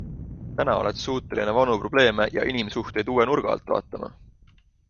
Täna oled suuteline vanu probleeme ja inimsuhteid uue nurga alt vaatama.